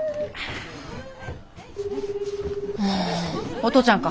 お父ちゃんか？